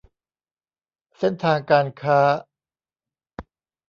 เส้นทางการค้า